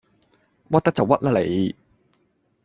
屈得就屈啦你